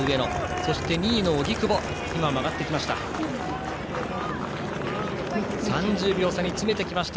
そして２位の荻久保も曲がってきました。